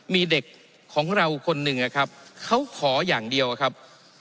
มีเด็กของเราคนหนึ่งนะครับเขาขออย่างเดียวครับ